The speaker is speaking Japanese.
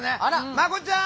まこちゃん！